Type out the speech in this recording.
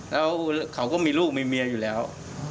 แล้วเขาก็มีลูกมีเมียอยู่แล้ว